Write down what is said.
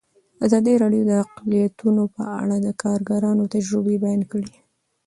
ازادي راډیو د اقلیتونه په اړه د کارګرانو تجربې بیان کړي.